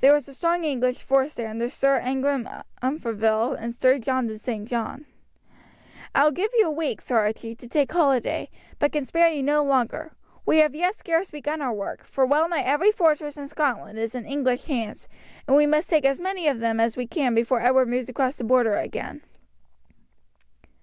There was a strong English force there under Sir Ingram Umfraville and Sir John de St. John. "I will give you a week, Sir Archie, to take holiday, but can spare you no longer. We have as yet scarce begun our work, for well nigh every fortress in Scotland is in English hands, and we must take as many of them as we can before Edward moves across the Border again."